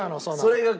それが。